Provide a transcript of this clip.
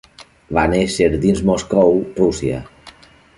Va néixer dins Moscou, Rússia.